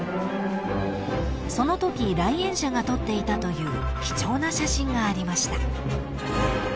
［そのとき来園者が撮っていたという貴重な写真がありました］